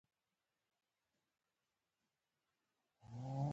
وزې تل پر خپل کور ګرځي